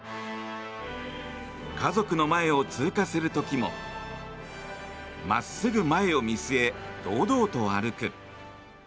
家族の前を通過する時も真っすぐ前を見据え堂々と歩く。